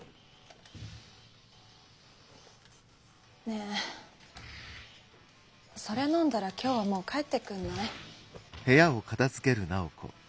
ねえそれ飲んだら今日はもう帰ってくんない？